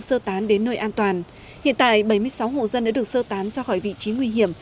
sơ tán đến nơi an toàn hiện tại bảy mươi sáu hộ dân đã được sơ tán ra khỏi vị trí nguy hiểm